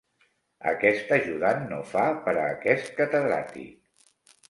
Aquest ajudant no fa, per a aquest catedràtic.